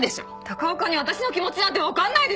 高岡にあたしの気持ちなんて分かんないでしょ。